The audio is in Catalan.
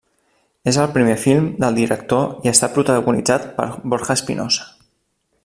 És el primer film del director i està protagonitzada per Borja Espinosa.